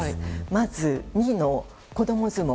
まず、２のこども相撲